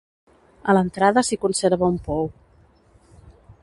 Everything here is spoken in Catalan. A l'entrada s'hi conserva un pou.